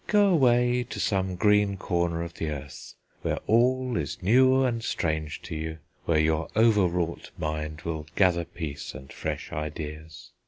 Go away to some green corner of the earth, where all is new and strange to you, where your over wrought mind will gather peace and fresh ideas.